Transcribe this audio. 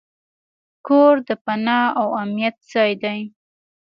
کور د پناه او امنیت ځای دی.